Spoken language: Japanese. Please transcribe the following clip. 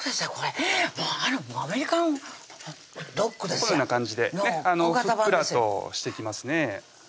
このような感じでねふっくらとしてきますね